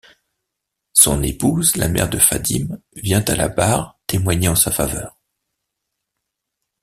Son épouse, la mère de Fadime, vient à la barre témoigner en sa faveur.